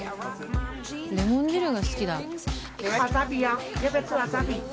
レモン汁が好きだ。